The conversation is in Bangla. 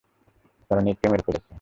তারা নিককে মেরে ফেলেছে।